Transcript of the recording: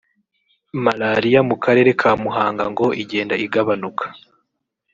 Malariya mu karere ka Muhanga ngo igenda igabanuka